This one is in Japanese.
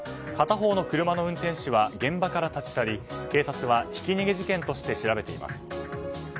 片方の車の運転手は現場から立ち去り警察はひき逃げ事件として調べています。